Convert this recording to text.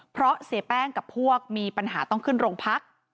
เพราะเสียแป้งกับพวกมีปัญหาต้องขึ้นโรงพัก